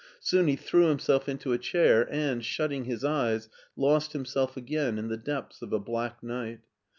Soon he threw himself into a chair and, shutting his eyes, lost himself again in the depths of a black night.